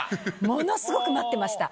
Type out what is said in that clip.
ものすごく待ってました。